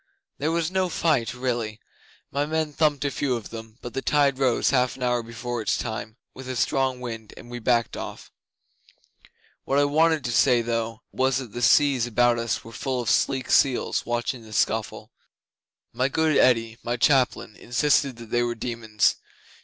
'There was no fight really. My men thumped a few of them, but the tide rose half an hour before its time, with a strong wind, and we backed off. What I wanted to say, though, was, that the seas about us were full of sleek seals watching the scuffle. My good Eddi my chaplain insisted that they were demons.